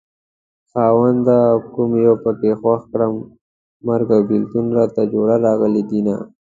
خاونده کوم يو پکې خوښ کړم مرګ او بېلتون راته جوړه راغلي دينه